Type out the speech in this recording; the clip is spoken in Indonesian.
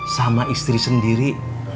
sama istri sendiri